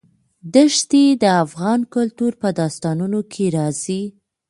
دښتې د افغان کلتور په داستانونو کې راځي.